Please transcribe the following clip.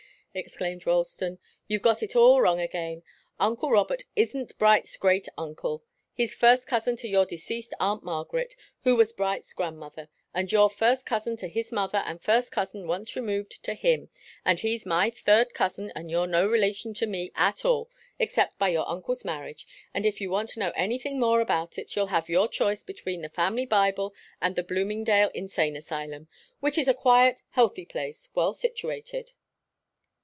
exclaimed Ralston. "You've got it all wrong again. Uncle Robert isn't Bright's great uncle. He's first cousin to your deceased aunt Margaret, who was Bright's grandmother, and you're first cousin to his mother and first cousin, once removed, to him; and he's my third cousin and you're no relation to me at all, except by your uncle's marriage, and if you want to know anything more about it you have your choice between the family Bible and the Bloomingdale insane asylum which is a quiet, healthy place, well situated."